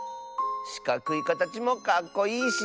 しかくいかたちもかっこいいし。